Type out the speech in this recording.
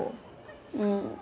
うん。